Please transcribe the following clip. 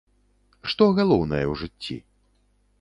Што галоўнае ў жыцці?